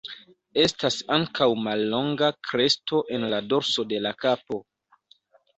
Estas ankaŭ mallonga kresto en la dorso de la kapo.